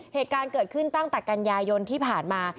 เหตุการณ์เกิดขึ้นตั้งแต่กันยายนที่ผ่านมา